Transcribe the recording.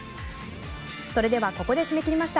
それではここで締め切りました。